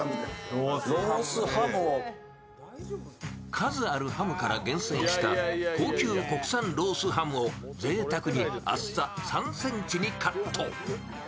数あるハムから厳選した高級国産ロースハムをぜいたくに厚さ３ｃｍにカット。